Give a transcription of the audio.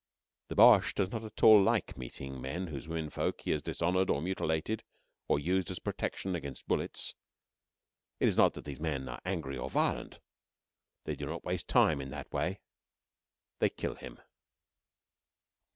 The Boche does not at all like meeting men whose womenfolk he has dishonoured or mutilated, or used as a protection against bullets. It is not that these men are angry or violent. They do not waste time in that way. They kill him.